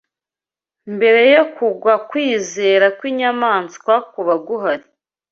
Mbere yo kugwa kwizera kw'inyamaswa kuba guhari